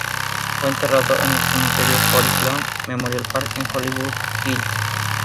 Fue enterrado en el Cementerio Forest Lawn Memorial Park, en Hollywood Hills.